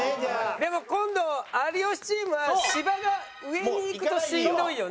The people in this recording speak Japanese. でも今度有吉チームは芝が上にいくとしんどいよね。